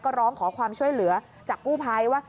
ก็ร้องขอความช่วยเหลือจากกู้ภัยว่า